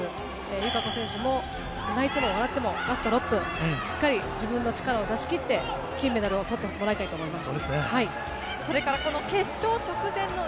友香子選手も泣いても笑ってもラスト６分、しっかり自分の力を出し切って、金メダルをとってもらいたいと思います。